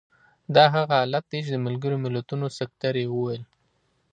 دا هغه حالت دی چې د ملګرو ملتونو سکتر یې وویل.